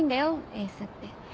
エースって。